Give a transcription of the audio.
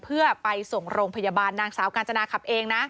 เพื่อไปส่งโรงพยาบาลนางสาวกาญจนาขับเองนะ